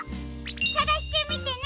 さがしてみてね！